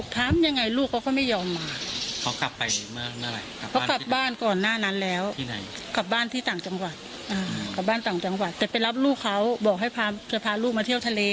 แต่ไปรับลูกเขาบอกให้พาลูกมาเที่ยวทะเล